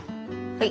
はい！